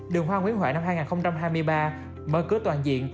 đường hoa nguyễn huệ năm hai nghìn hai mươi ba mở cửa toàn diện